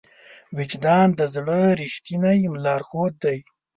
وجدان د زړه ریښتینی لارښود دی.